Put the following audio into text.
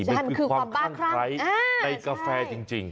เป็นความคลั้งไขในกาแฟจริง